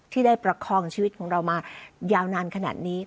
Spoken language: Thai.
ที่ได้ประคองชีวิตของเรามายาวนานขนาดนี้